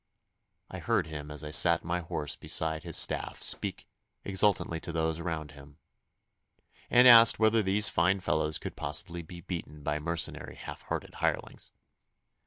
I heard him as I sat my horse beside his staff speak exultantly to those around him, and ask whether these fine fellows could possibly be beaten by mercenary half hearted hirelings.